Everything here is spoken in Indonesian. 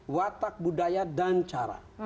watak budaya dan cara